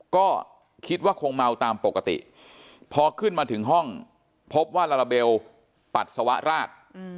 ก็คิดว่าคงเมาตามปกติพอขึ้นมาถึงห้องพบว่าลาลาเบลปัสสาวะราช